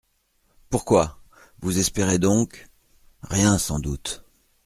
Pourquoi ? Vous espérez donc ?… Rien, sans doute.